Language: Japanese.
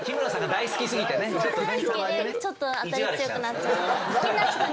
大好きでちょっと当たり強くなっちゃう。